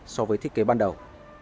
so với thiết kế ban đầu